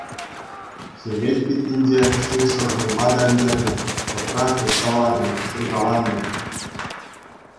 Хӗвел питтинче шыв сӑрхӑнма та ӗлкӗрнӗ, тӑпра хытса ларнӑ, ҫуркаланнӑ.